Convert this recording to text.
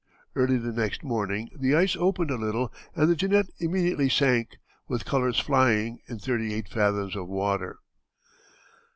Early the next morning the ice opened a little, and the Jeannette immediately sank, with colors flying, in thirty eight fathoms of water.